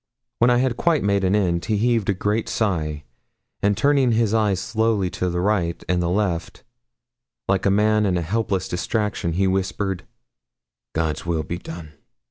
When I had quite made an end, he heaved a great sigh, and turning his eyes slowly to the right and the left, like a man in a helpless distraction, he whispered 'God's will be done.'